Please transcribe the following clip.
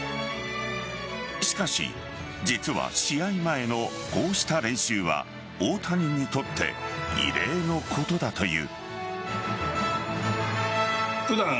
しかし実は試合前のこうした練習は大谷にとって異例のことだという。